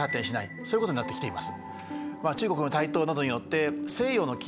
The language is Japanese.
そういうことになってきています。